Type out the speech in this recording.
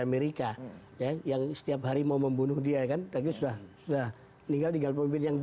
amerika yang setiap hari mau membunuh dia kan tersebut sudah sehingga tinggal pemimpin yang